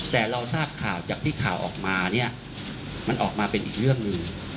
แต่เราทราบข่าวจากที่ข่าวออกมาเนี่ยมันออกมาเป็นอีกเรื่องหนึ่ง